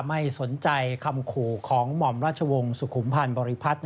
ไม่สนใจคำขู่ของหม่อมราชวงศ์สุขุมพันธ์บริพัฒน์